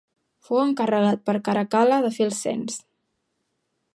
Fou encarregat per Caracal·la de fer el cens.